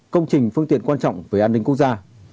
công trình phương tiện quan trọng về an ninh quốc gia